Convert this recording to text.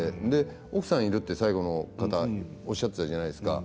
奥さんいるって最後の方はおっしゃっていたじゃないですか